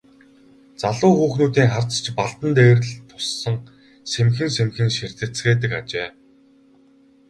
Залуу хүүхнүүдийн харц ч Балдан дээр л тусан сэмхэн сэмхэн ширтэцгээдэг ажээ.